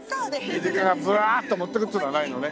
イルカがブワーッと持ってくっていうのはないのね。